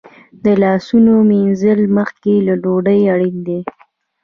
د لاسونو مینځل مخکې له ډوډۍ اړین دي.